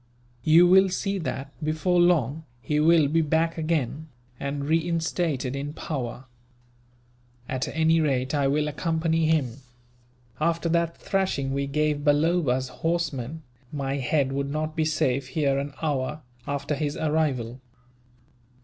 You will see that, before long, he will be back again, and reinstated in power. "At any rate, I will accompany him. After that thrashing we gave Balloba's horsemen, my head would not be safe here an hour, after his arrival."